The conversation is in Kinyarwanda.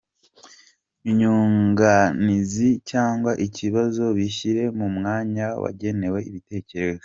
Inyunganizi cyangwa ikibazo bishyire mu mwanya wagenewe ibitekerezo.